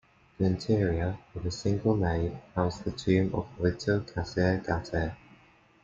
The interior, with a single nave, houses the tomb of Ottavio Cesare Gaeta.